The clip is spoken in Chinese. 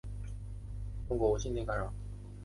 中国无线电干扰是由中国政府主导的无线电干扰。